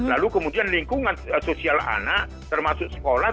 lalu kemudian lingkungan sosial anak termasuk sekolah